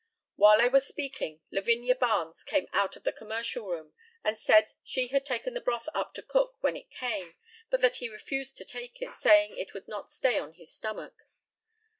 While I was speaking, Lavinia Barnes came out of the commercial room, and said she had taken the broth up to Cook when it came, but that he refused to take it, saying it would not stay on his stomach.